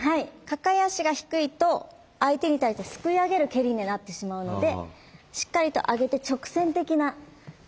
抱え足が低いと相手に対してすくい上げる蹴りになってしまうのでしっかりと上げて直線的な蹴りをイメージして下さい。